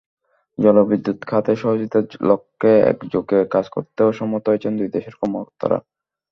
জলবিদ্যুৎ খাতে সহযোগিতার লক্ষ্যে একযোগে কাজ করতেও সম্মত হয়েছেন দুই দেশের কর্মকর্তারা।